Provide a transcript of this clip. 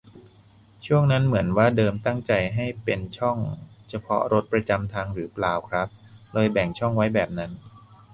ช่วงนั้นเหมือนว่าเดิมตั้งใจให้เป็นช่องเฉพาะรถประจำทางหรือเปล่าครับ เลยแบ่งช่องไว้แบบนั้น